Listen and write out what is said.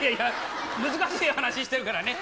難しい話してるからね